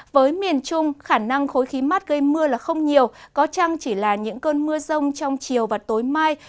với miền trung khả năng khối khí mát gây mưa là không nhiều có chăng chỉ là những cơn mưa rông trong chiều và tối mai